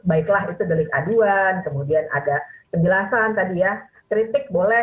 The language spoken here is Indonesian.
baiklah itu delik aduan kemudian ada penjelasan tadi ya kritik boleh